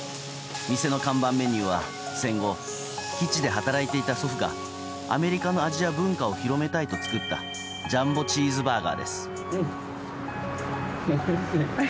店の看板メニューは戦後基地で働いていた祖父がアメリカの味や文化を広めたいと作ったジャンボチーズバーガーです。